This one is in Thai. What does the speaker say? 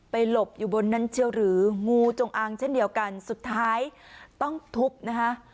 หลบอยู่บนนั้นเชียวหรืองูจงอางเช่นเดียวกันสุดท้ายต้องทุบนะคะ